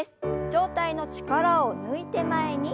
上体の力を抜いて前に。